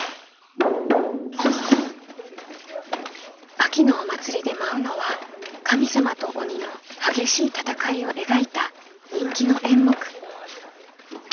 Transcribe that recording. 秋のお祭りで舞うのは神様と鬼の激しい戦いを描いた人気の演目。